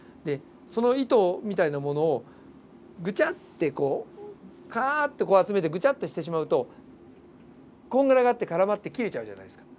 その糸みたいなものをグチャッてこうかっと集めてグチャッてしてしまうとこんがらがって絡まって切れちゃうじゃないですか。